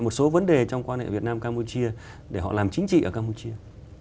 một số vấn đề trong quan hệ việt nam campuchia để họ làm chính trị ở campuchia